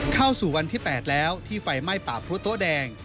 เข้าสู่วันที่๘แล้วที่ไฟไหม้ป่าพรุโต๊ะแดง